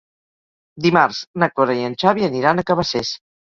Dimarts na Cora i en Xavi aniran a Cabacés.